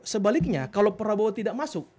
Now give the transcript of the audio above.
sebaliknya kalau prabowo tidak masuk